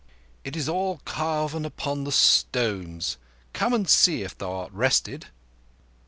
"It is all carven upon the stones. Come and see, if thou art rested."